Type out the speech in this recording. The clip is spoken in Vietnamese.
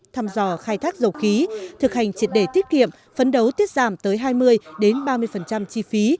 thăm dò khai thác dầu khí thực hành triệt đề tiết kiệm phấn đấu tiết giảm tới hai mươi ba mươi chi phí